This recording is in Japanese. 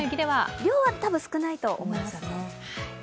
量は多分少ないと思います。